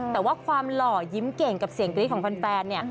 แต่ว่าความหล่อยิ้มเก่งกับเสียงกรี๊ดของแฟนเนี่ย